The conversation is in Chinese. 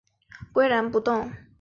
岿然不动